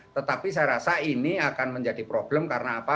tetapi saya rasa ini akan menjadi problem karena apa